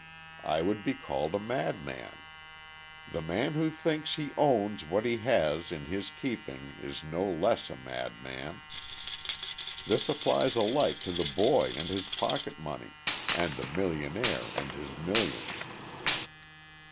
I would be called a madman. The man who thinks he owns what he has in his keeping is no less a madman. This applies alike to the boy and his pocket money, and the millionaire and his millions.